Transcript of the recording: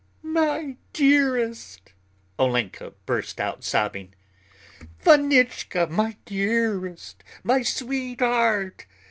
"My dearest!" Olenka burst out sobbing. "Vanichka, my dearest, my sweetheart.